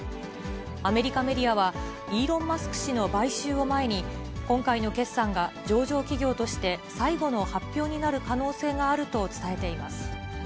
アメリカメディアは、イーロン・マスク氏の買収を前に、今回の決算が上場企業として最後の発表になる可能性があると伝えています。